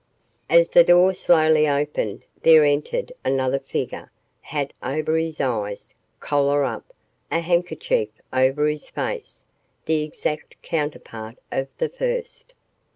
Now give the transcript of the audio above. As the door slowly opened there entered another figure, hat over his eyes, collar up, a handkerchief over his face, the exact counterpart of the first!